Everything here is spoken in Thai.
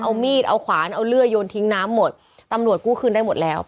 เอามีดเอาขวานเอาเลื่อยโยนทิ้งน้ำหมดตำรวจกู้คืนได้หมดแล้ว